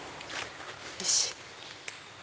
よし。